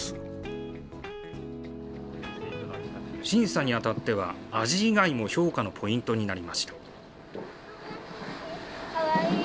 審査にあたっては、味以外も評価のポイントになりました。